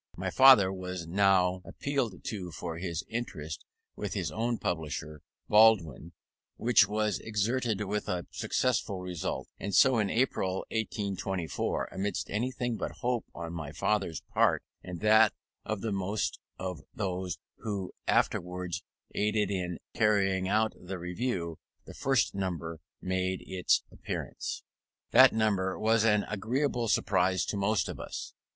My father was now appealed to for his interest with his own publisher, Baldwin, which was exerted with a successful result. And so in April, 1824, amidst anything but hope on my father's part, and that of most of those who afterwards aided in carrying on the Review, the first number made its appearance. That number was an agreeable surprise to most of us.